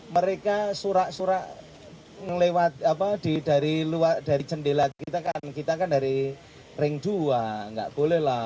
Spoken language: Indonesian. mereka surat surat ngelewat apa di dari luar dari jendela kita kan kita kan dari ring dua nggak bolehlah